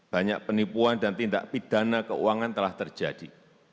banyak penipuan dan tindak pidana keuangan telah terjadi